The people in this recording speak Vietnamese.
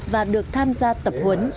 và được tham gia tập huấn